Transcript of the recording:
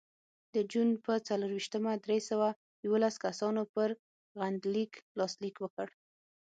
د جون په څلرویشتمه درې سوه یوولس کسانو پر غندنلیک لاسلیک وکړ.